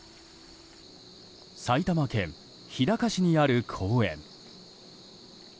埼玉県日高市にある公園。